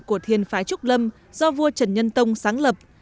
của thiền phái trúc lâm do vua trần nhân tông sáng lập